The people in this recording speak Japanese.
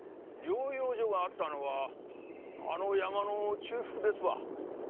療養所があったのはあの山の中腹ですわ。